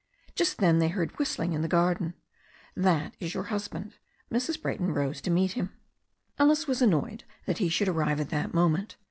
Just then they heard whistling in the garden. "That is your husband." Mrs. Brayton rose to meet him. Alice was annoyed that he should arrive at that moment.